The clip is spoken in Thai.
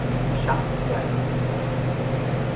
ชักใย